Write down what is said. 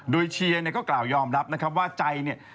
โดยเชียร์เนี่ยก็กล่าวยอมรับนะครับว่าใจเนี่ย